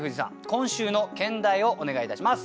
今週の兼題をお願いいたします。